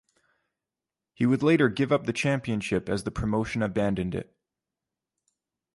He would later give up the championship as the promotion abandoned it.